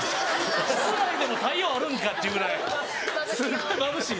室内でも太陽あるんかっちゅうぐらいすっごいまぶしい。